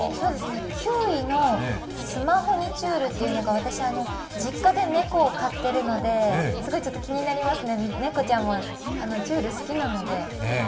９位の、スマホにちゅーるというのが、私、実家で猫を飼っているので気になりますね、猫ちゃんはちゅる好きなので。